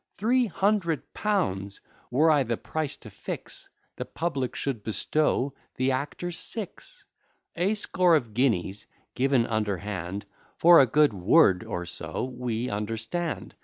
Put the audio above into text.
Three hundred pounds! Were I the price to fix, The public should bestow the actors six; A score of guineas given underhand, For a good word or so, we understand.